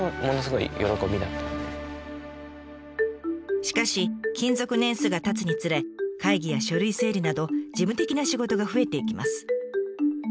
しかし勤続年数がたつにつれ会議や書類整理など事務的な仕事が増えていきます。